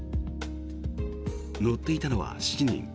乗っていたのは７人。